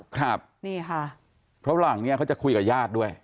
ครับนี่ค่ะเพราะหลังเนี่ยเขาจะคุยกับญาติด้วย